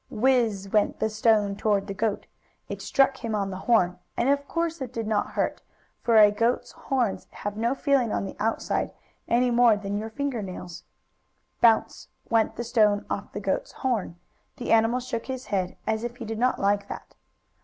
"Whizz!" went the stone toward the goat. It struck him on the horn, and of course it did not hurt, for a goat's horns have no feeling on the outside, any more than have your finger nails. "Bounce!" went the stone off the goat's horn. The animal shook his head, as if he did not like that.